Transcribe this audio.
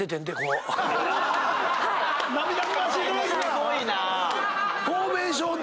すごいな！